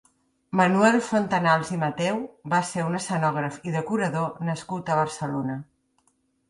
Manuel Fontanals i Mateu va ser un escenògraf i decorador nascut a Barcelona.